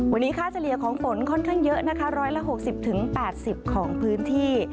วันนี้ค่าเฉลี่ยของฝนค่อนข้างเยอะนะคะ๑๖๐๘๐ของพื้นที่